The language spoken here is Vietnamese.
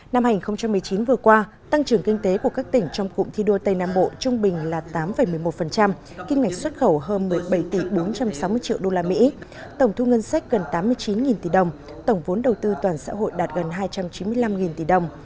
năm hai nghìn một mươi chín vừa qua tăng trưởng kinh tế của các tỉnh trong cụm thi đua tây nam bộ trung bình là tám một mươi một kim ngạch xuất khẩu hơn một mươi bảy tỷ bốn trăm sáu mươi triệu usd tổng thu ngân sách gần tám mươi chín tỷ đồng tổng vốn đầu tư toàn xã hội đạt gần hai trăm chín mươi năm tỷ đồng